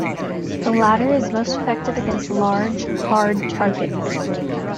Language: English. The latter is most effective against large, hard targets.